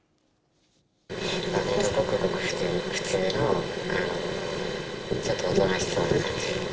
ほんとごくごく普通の、ちょっとおとなしそうな感じ。